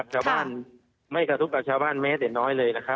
ชาวบ้านไม่กระทบกับชาวบ้านเมตรน้อยเลย